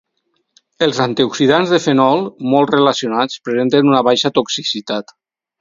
Els antioxidants de fenol molt relacionats presenten una baixa toxicitat.